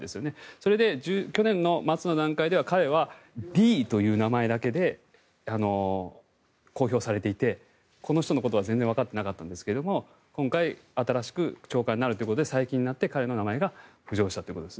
それで去年末の段階では彼はＤという名前だけで公表されていてこの人のことは全然わかっていなかったんですけど今回新しく長官になるということで最近になって彼の名前が浮上したということです。